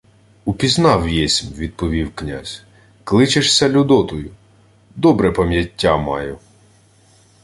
— Упізнав єсмь, — відповів князь — Кличешся Людотою. Добре пам'яття маю.